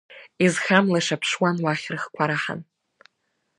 Изхамлаша ԥшуан уахь рыхқәа раҳан…